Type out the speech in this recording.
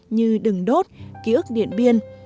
như đừng đốt ký ức điện biên